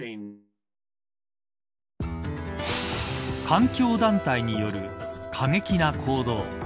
環境団体による過激な行動。